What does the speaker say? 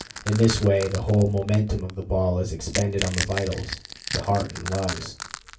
In this way the whole momentum of the ball is expended on the vitals, the heart and lungs.